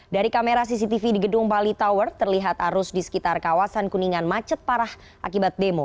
dari kamera cctv di gedung bali tower terlihat arus di sekitar kawasan kuningan macet parah akibat demo